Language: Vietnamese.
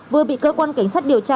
vừa bị cơ quan cảnh sát điều tra